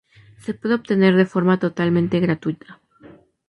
Se puede obtener de forma totalmente gratuita.